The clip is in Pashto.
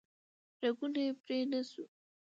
رګونه یې پرې نه شو